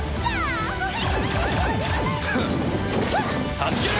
はじけろ！